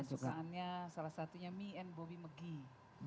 kesukaannya salah satunya me and bobby maggie